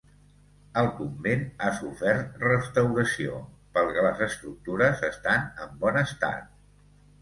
El convent ha sofert restauració, pel que les estructures estan en bon estat.